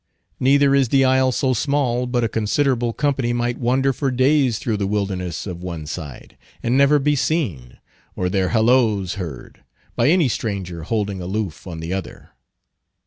Neither is the isle so small, but a considerable company might wander for days through the wilderness of one side, and never be seen, or their halloos heard, by any stranger holding aloof on the other.